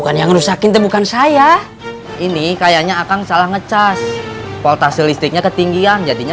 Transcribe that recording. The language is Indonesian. kan yang rusakin tebukan saya ini kayaknya akan salah ngecas voltasi listriknya ketinggian jadinya